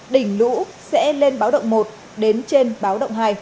đỉnh lũ sẽ lên báo động một đến trên báo động hai